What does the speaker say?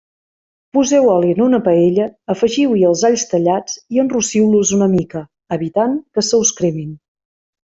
Poseu oli en una paella, afegiu-hi els alls tallats i enrossiu-los una mica, evitant que se us cremin.